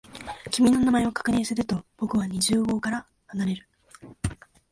君の名前を確認すると、僕は二十号棟から離れる。